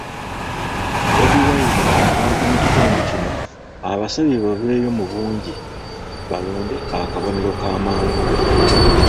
Bobi Wine abantu mu kitundu kino abasabye baveeyo mu bungi balonde akabonero ka manvuuli.